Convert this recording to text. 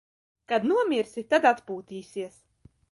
Kad nomirsi, tad atpūtīsies.